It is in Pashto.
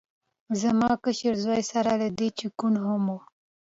زما کشر زوی سره له دې چې کوڼ هم و